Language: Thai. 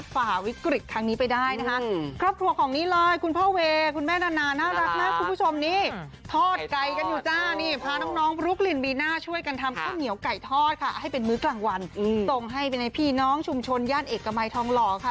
พ้าน้องลูกลิ่นมีหน้าช่วยกันทำข้าวเหนียวไก่ทอดค่ะให้เป็นมื้อกลางวันตรงให้ไปในพี่น้องชุมชนย่านเอกมัยทองหล่อค่ะ